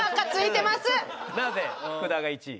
なぜ福田が１位？